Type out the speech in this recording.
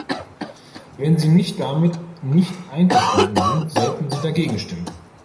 Wenn Sie nicht damit nicht einverstanden sind, sollten Sie dagegen stimmen.